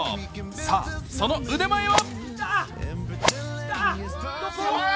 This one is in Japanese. さあ、その腕前は？